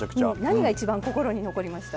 何が一番心に残りました？